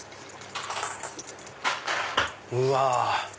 うわ！